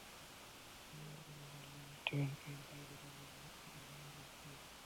পরের ওভারেই ফিরলেন স্টিভেন ফিন, তাইজুলের বলে মুশফিকের কাছে ক্যাচ দিয়ে।